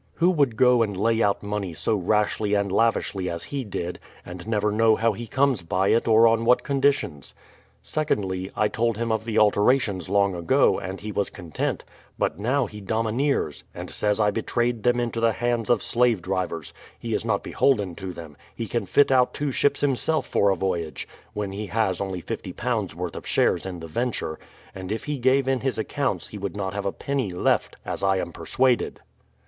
Who would go and lay out money so rashly and lavishly as he did, and never know how he comes by it or on what conditions? Secondly, I told him of the alterations long ago, and he was content; but now he domineers, and says I betrayed them into the hands of slave drivers ; he is not beholden to them ; he can fit out two ships himself for a voyage — when he has only £$o worth of shares in the venture, and if he gave in his accounts he would not have a penny left, as I am persuaded.